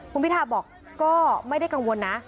คุณพิทาบอกก็ไม่ได้กังวลนะ